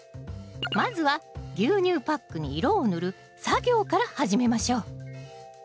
まずは牛乳パックに色を塗る作業から始めましょう。